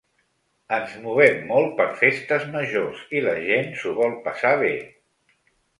Ens movem molt per festes majors i la gent s’ho vol passar bé.